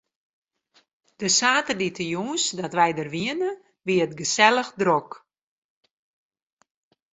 De saterdeitejûns dat wy der wiene, wie it gesellich drok.